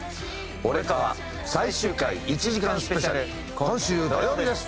『俺かわ』最終回１時間スペシャル今週土曜日です。